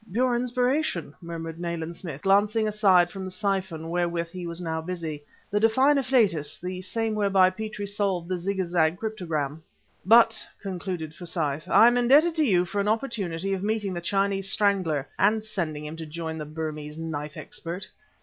"Pure inspiration!" murmured Nayland Smith, glancing aside from the siphon wherewith he now was busy. "The divine afflatus and the same whereby Petrie solved the Zagazig cryptogram!" "But," concluded Forsyth, "I am indebted to you for an opportunity of meeting the Chinese strangler, and sending him to join the Burmese knife expert!"